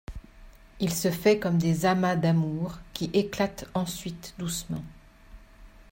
Il se fait comme des amas d’amour, qui éclatent ensuite doucement.